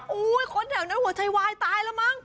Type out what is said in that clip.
โอ้โฮคนแถวนั้นหัวชัยวายตายแล้วมั้ง